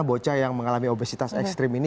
bocah yang mengalami obesitas ekstrim ini